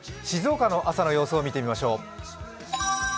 静岡の朝の様子を見てみましょう。